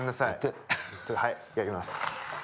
はいやります。